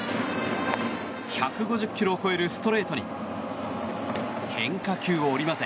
１５０キロを超えるストレートに変化球を織り交ぜ